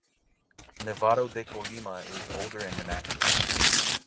Nevado de Colima is older and inactive.